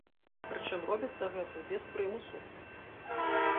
Прычым робіцца гэта без прымусу.